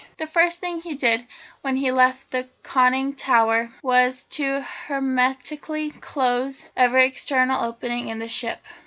The first thing he did when he left the conning tower was to hermetically close every external opening in the ship.